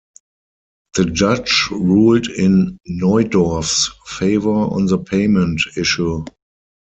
The judge ruled in Neudorf's favour on the payment issue.